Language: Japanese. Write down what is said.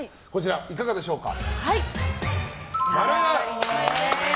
いかがでしょうか。